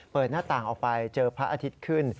หน้าต่างออกไปเจอพระอาทิตย์ขึ้น